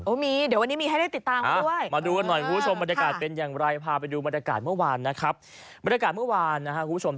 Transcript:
โอ้มีเดี๋ยววันนี้มีให้ได้ติดตามกันด้วยเออมาดูกันหน่อยคุณผู้ชม